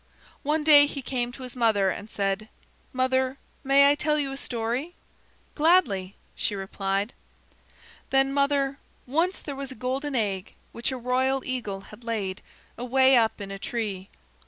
One day he came to his mother and said: "Mother, may I tell you a story?" "Gladly," she replied. "Then, mother, once there was a golden egg which a royal eagle had laid, away up in a tree.